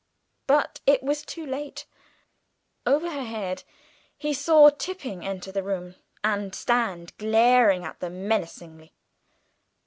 But it was too late. Over her head he saw Tipping enter the room, and stand glaring at them menacingly.